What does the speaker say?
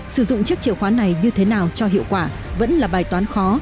sử dụng chiếc chìa khóa này như thế nào cho hiệu quả vẫn là bài toán khó